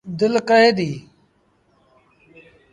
دل ڪهي دي۔